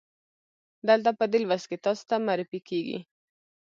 دلته په دې لوست کې تاسې ته معرفي کیږي.